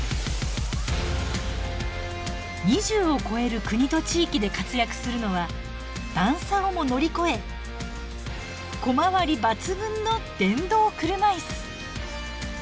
２０を超える国と地域で活躍するのは段差をも乗り越え小回り抜群の電動車椅子。